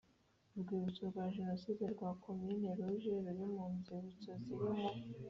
Urwibutso rwa Jenoside rwa Commune rouge ruri mu nzibutso ziri mu